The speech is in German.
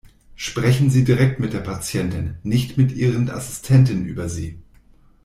Sprechen Sie direkt mit der Patientin, nicht mit Ihren Assistenten über sie.